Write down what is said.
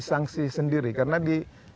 sanksi sendiri karena di